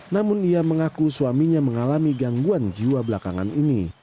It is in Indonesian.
namun ia mengaku suaminya mengalami gangguan jiwa belakangan ini